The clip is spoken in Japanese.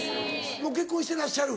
もう結婚してらっしゃる？